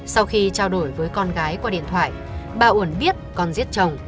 sau khi trao đổi với con gái qua điện thoại bà uẩn biết con giết chồng